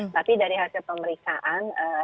tapi dari hasil pemeriksaan